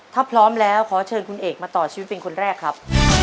ถ้าพร้อมแล้วขอเชิญคุณเอกมาต่อชีวิตเป็นคนแรกครับ